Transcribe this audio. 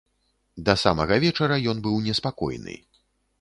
Да самага вечара ён быў неспакойны.